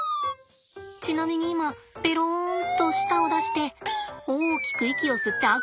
ちなみに今ベロンと舌を出して大きく息を吸ってあくび中です。